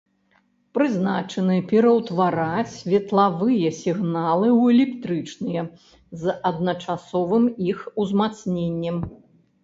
Прызначаны пераўтвараць светлавыя сігналы ў электрычныя з адначасовым іх узмацненнем.